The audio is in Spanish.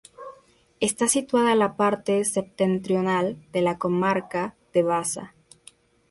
Está situada en la parte septentrional de la comarca de Baza.